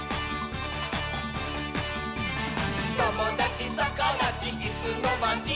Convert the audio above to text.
「ともだちさかだちいすのまち」